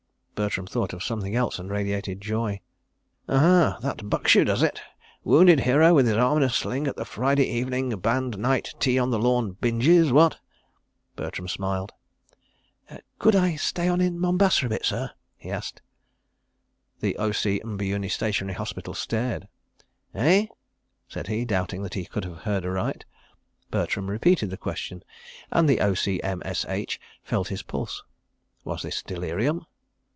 Bertram thought of something else and radiated joy. "Aha! That bucks you, does it? Wounded hero with his arm in a sling at the Friday evening band night tea on the lawn binges, what?" Bertram smiled. "Could I stay on in Mombasa a bit, sir?" he asked. The O.C. M'buyuni Stationary Hospital stared. "Eh?" said he, doubting that he could have heard aright. Bertram repeated the question, and the O.C., M.S.H., felt his pulse. Was this delirium?